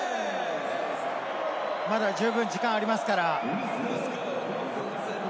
まだ十分時間はありますから。